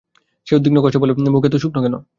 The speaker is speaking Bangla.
সে উদ্বিগ্ন কষ্ঠে বলে, মুখ এত শুকনো কেন?